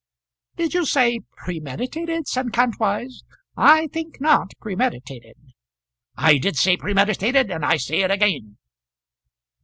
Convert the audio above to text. "Did you say premeditated?" said Kantwise. "I think not premeditated." "I did say premeditated, and I say it again."